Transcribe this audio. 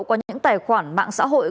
qua những tài khoản mạng xã hội